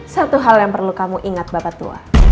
satu hal yang perlu kamu ingat bapak tua